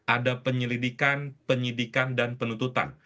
ada penyelidikan penyidikan dan penuntutan